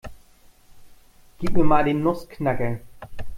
Gib mir mal den Nussknacker.